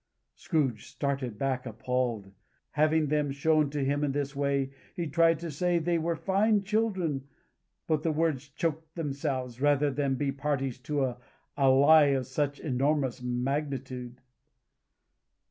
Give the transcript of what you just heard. Scrooge started back, appalled. Having them shown to him in this way, he tried to say they were fine children, but the words choked themselves, rather than be parties to a lie of such enormous magnitude.